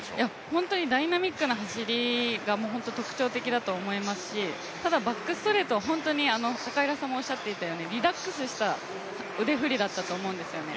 ホントにダイナミックな走りが特徴的だと思いますしただバックストレートは本当にリラックスした腕振りだったと思うんですよね。